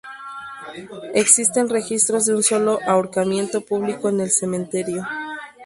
Existen registros de un solo ahorcamiento público en el cementerio.